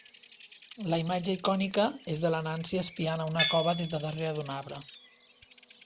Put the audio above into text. La imatge icònica és de la Nancy espiant a una cova des de darrere un arbre.